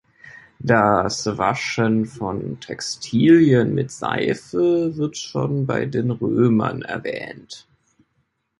Das Waschen von Textilien mit Seife wird schon bei den Römern erwähnt.